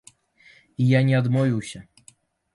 І я не адмовіўся!